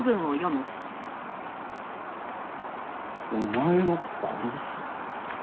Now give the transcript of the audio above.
「お前を殺す」。